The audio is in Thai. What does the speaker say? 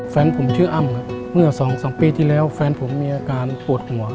แฟนผมชื่ออ้ำครับเมื่อสองสามปีที่แล้วแฟนผมมีอาการปวดหัว